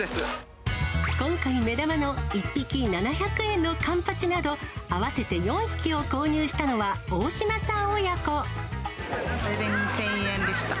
今回、目玉の１匹７００円のカンパチなど、合わせて４匹を購入したのは、これで２０００円でした。